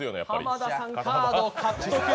濱田さん、カード獲得。